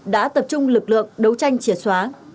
đã tập trung lực lượng đấu tranh triệt xóa